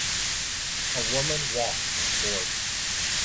a woman walks on boards.